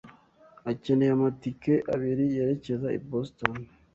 akeneye amatike abiri yerekeza i Boston.